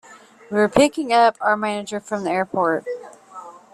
We were picking up our manager from the airport.